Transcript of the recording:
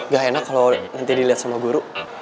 gak enak kalo nanti diliat sama guru